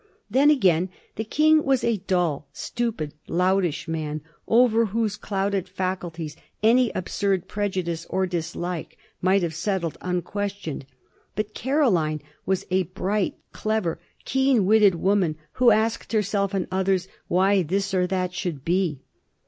Then, again, the King was a dull, stupid, loutish man^ over whose clouded faculties any absurd prejudice or dislike might have settled unquestioned; but Caroline was a bright, clever, keen witted woman, who asked herself and others why this or that should be.